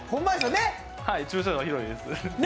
はい、駐車場は広いです。